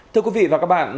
thưa quý vị và các bạn